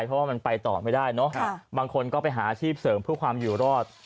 เพราะว่ามันไปต่อไม่ได้เนอะบางคนก็ไปหาอาชีพเสริมเพื่อความอยู่รอด